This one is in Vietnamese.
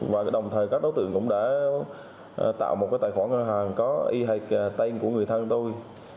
và đồng thời các đối tượng cũng đã tạo một tài khoản ngân hàng có y hệt tên của người thân tôi